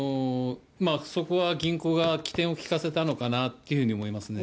そこは銀行が機転を利かせたのかなというふうに思いますね。